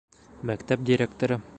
Мәктәп директоры